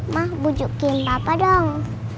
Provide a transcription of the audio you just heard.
ma bujukin papa dong